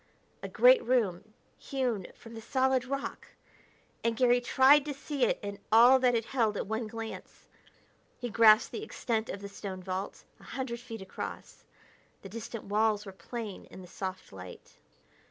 A great room, hewn from the solid rock! and Garry tried to see it and all that it held at one glance. He grasped the extent of the stone vault, a hundred feet across; the distant walls were plain in the soft light.